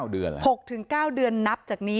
๖๙เดือนอะไร๖๙เดือนนับจากนี้